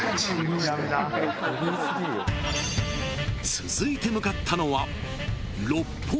［続いて向かったのは］